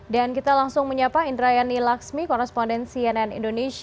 dan kita langsung menyapa indrayani laksmi korrespondensi nn indonesia